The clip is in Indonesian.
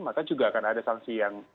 maka juga akan ada sanksi yang